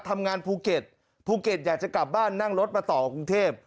ทำงานภูเก็ตภูเก็ตอยากจะกลับบ้านนั่งรถมาต่อกรุงเทพ